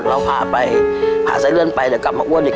เราพาไปหาไส้เลื่อนไปเดี๋ยวกลับมาอ้วนอีก